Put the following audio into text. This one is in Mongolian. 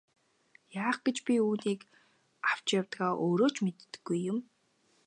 Яах гэж би үүнийг авч явдгаа өөрөө ч мэддэггүй юм.